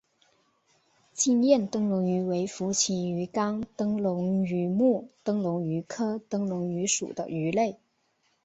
金焰灯笼鱼为辐鳍鱼纲灯笼鱼目灯笼鱼科灯笼鱼属的鱼类。